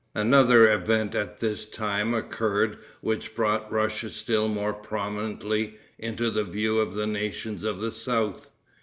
Another event at this time occurred which brought Russia still more prominently into the view of the nations of the South.